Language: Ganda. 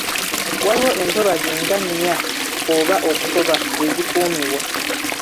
Waliwo entobazi nga nnya oba okusoba ezikuumibwa.